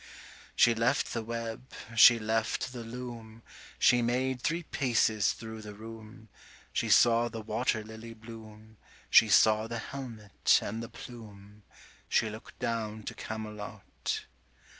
She left the web, she left the loom, She made three paces thro' the room, 110 She saw the water lily bloom, She saw the helmet and the plume, She look'd down to Camelot.